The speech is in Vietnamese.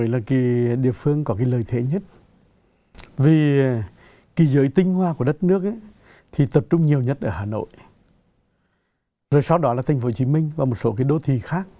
sau đó là thành phố hồ chí minh và một số đô thị khác